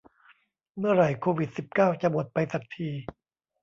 เมื่อไหร่โควิดสิบเก้าจะหมดไปสักที